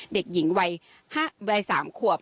เด็กหญิงวัย๓ขวบ